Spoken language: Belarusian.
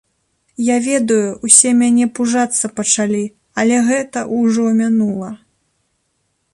Я ведаю, усе мяне пужацца пачалі, але гэта ўжо мінула.